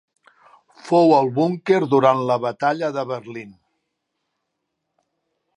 Fou al búnquer durant la Batalla de Berlín.